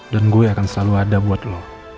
dan gue akan selalu ada buat lo